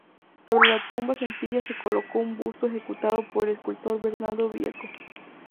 Sobre la tumba sencilla se colocó un busto ejecutado por el escultor Bernardo Vieco.